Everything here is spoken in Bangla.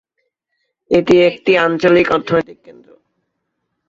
এটি একটি আঞ্চলিক অর্থনৈতিক কেন্দ্র।